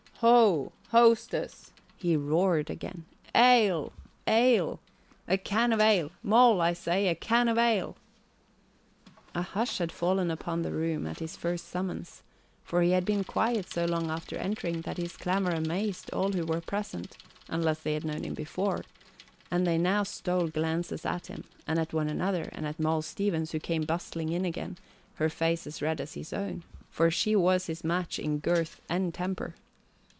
"Ho! Hostess!" he roared again. "Ale, ale! A can of ale! Moll, I say! A can of ale!" A hush had fallen upon the room at his first summons, for he had been quiet so long after entering that his clamour amazed all who were present, unless they had known him before, and they now stole glances at him and at one another and at Moll Stevens, who came bustling in again, her face as red as his own, for she was his match in girth and temper.